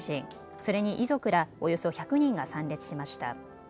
それに遺族らおよそ１００人が参列しました。